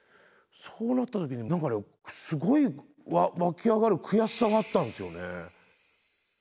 そうなった時に何かねすごい湧き上がる悔しさがあったんですよね。